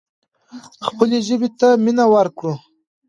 خپلې ژبې ته مینه ورکړو.